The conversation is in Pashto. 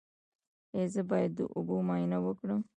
ایا زه باید د اوبو معاینه وکړم؟